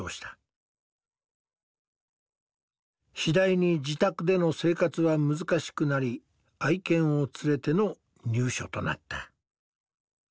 次第に自宅での生活は難しくなり愛犬を連れての入所となった。